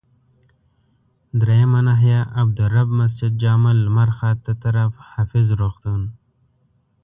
دریمه ناحيه، عبدالرب مسجدجامع لمرخاته طرف، حافظ روغتون.